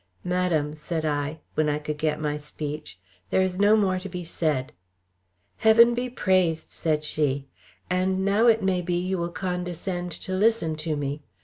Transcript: "Madam," said I, when I could get my speech. "There is no more to be said." "Heaven be praised!" said she. "And now it may be, you will condescend to listen to me.